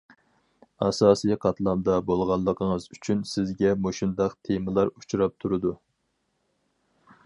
ئاساسىي قاتلامدا بولغانلىقىڭىز ئۈچۈن سىزگە مۇشۇنداق تېمىلار ئۇچراپ تۇرىدۇ.